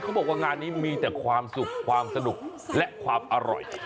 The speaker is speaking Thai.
บอกว่างานนี้มีแต่ความสุขความสนุกและความอร่อย